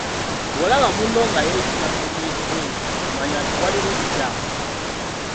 Bw'olaba munno nga yeeyisa mu ngeri bw’etyo mannya nti waliwo ekikyamu.